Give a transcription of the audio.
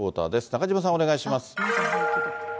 中島さん、お願いします。